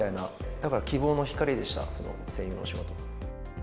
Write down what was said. だから希望の光でした、声優の仕事は。